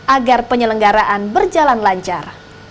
agar penyelenggaraan berjalan lancar